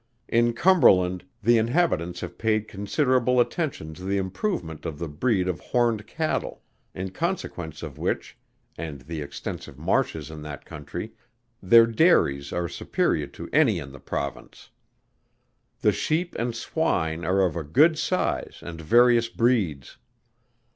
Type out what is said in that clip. In Cumberland the inhabitants have paid considerable attention to the improvement of the breed of horned cattle; in consequence of which, and the extensive marshes in that country, their dairies are superior to any in the Province. The sheep and swine are of a good size and various breeds.